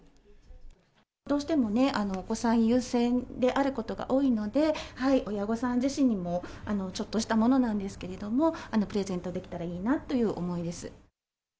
どうしてもね、お子さん優先であることが多いので、親御さん自身にも、ちょっとしたものなんですけれども、プレゼントできたらいいなという思いです。